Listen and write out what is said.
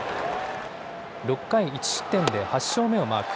６回１失点で８勝目をマーク。